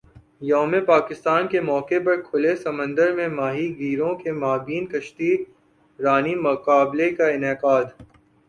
یوم پاکستان کے موقع پر کھلے سمندر میں ماہی گیروں کے مابین کشتی رانی مقابلے کا انعقاد